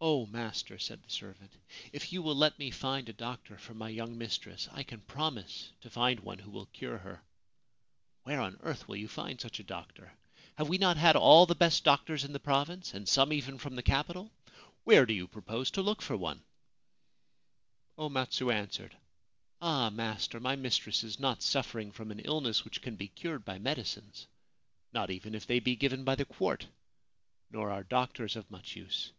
Oh, master,' said the servant, ' if you will let me find a doctor for my young mistress, I can promise to find one who will cure her/ ' Where on earth will you find such a doctor ? Have we not had all the best doctors in the province and some even from the capital ? Where do you propose to look for one ?' 2 3 Ancient Tales and Folklore of Japan O Matsu answered :' Ah, master, my mistress is not suffering from an illness which can be cured by medicines — not even if they be given by the quart. Nor are doctors of much use.